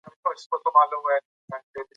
هغه د پیښو عیني شاهد و.